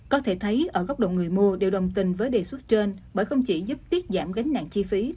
có thể thấy ở góc độ người mua đều đồng tình với đề xuất trên bởi không chỉ giúp tiết giảm gánh nặng chi phí